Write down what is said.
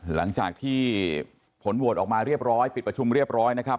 หลังจากที่ผลโหวตออกมาเรียบร้อยปิดประชุมเรียบร้อยนะครับ